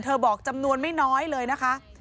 บอกจำนวนไม่น้อยเลยนะคะ